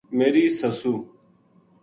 میری سُسو